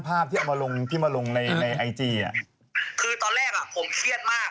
ผมเครียดมากผมกล่าวว่าเอ้ยผมจะลงไอจีดีไหมเดี๋ยวคนอ่าว่าสร้างมาแส